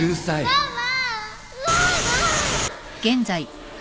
ママ！